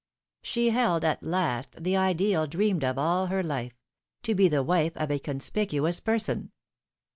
She held, at last, the ideal dreamed of all her life : to be the wife of a conspicuous person